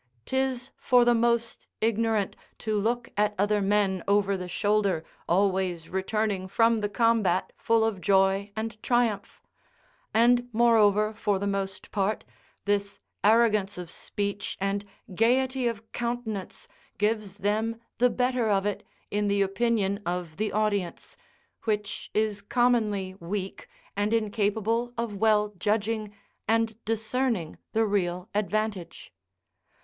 'Tis for the most ignorant to look at other men over the shoulder, always returning from the combat full of joy and triumph. And moreover, for the most part, this arrogance of speech and gaiety of countenance gives them the better of it in the opinion of the audience, which is commonly weak and incapable of well judging and discerning the real advantage.